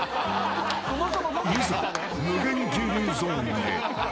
［いざ無限牛乳ゾーンへ］